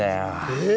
え！